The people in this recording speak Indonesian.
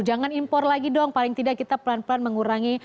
jangan impor lagi dong paling tidak kita pelan pelan mengurangi